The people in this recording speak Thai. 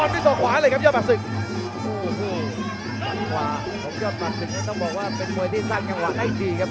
ต้องบอกว่าเป็นมวยที่สร้างกลางหวะได้ดีครับ